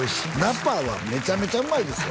ナパはめちゃめちゃうまいですよ